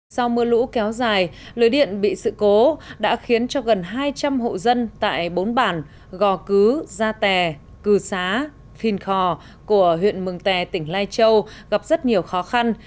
sau mưa lũ kéo dài lưới điện bị sự cố đã khiến cho gần hai trăm linh hộ dân tại bốn bản gò cứ gia tè cư xá phìn khò của huyện mường tè tỉnh lai châu gặp rất nhiều khó khăn